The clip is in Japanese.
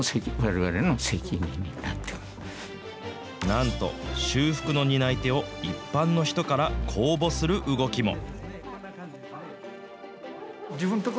なんと、修復の担い手を一般の人から公募する動きも。